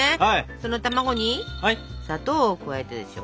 その卵に砂糖を加えるでしょ。